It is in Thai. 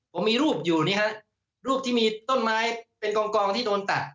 ผมมีรูปอยู่นี่ฮะรูปที่มีต้นไม้เป็นกองที่โดนตัด